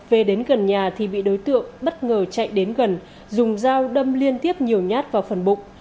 về đến gần nhà thì bị đối tượng bất ngờ chạy đến gần dùng dao đâm liên tiếp nhiều nhát vào phần bụng